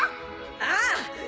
ああ！